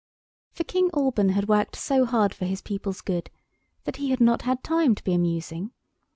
For King Alban had worked so hard for his people's good that he had not had time to be amusing.